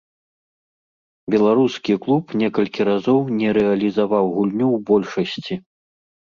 Беларускі клуб некалькі разоў не рэалізаваў гульню ў большасці.